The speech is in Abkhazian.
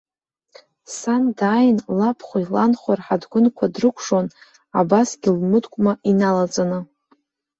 Сан дааин, лабхәеи ланхәеи рҳаҭгәынқәа дрыкәшон, абасгьы лмыткәма иналаҵаны.